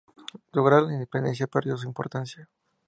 Lograda la independencia, perdió su importancia.